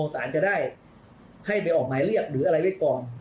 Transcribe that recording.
สารจะได้ให้ไปออกหมายเรียกหรืออะไรไว้ก่อน